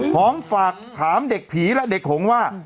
พร้อมฝากถามเด็กผีและเด็กหงว่า